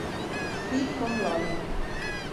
Fi com l'oli.